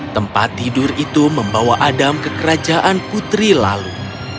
tempat tidur itu membawa adam ke kerajaan putri lalu